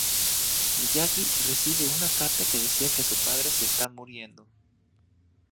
Miyagi recibe una carta que decía que su padre se está muriendo.